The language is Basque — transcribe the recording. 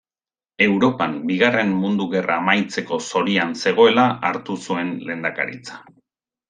Europan Bigarren Mundu Gerra amaitzeko zorian zegoela hartu zuen lehendakaritza.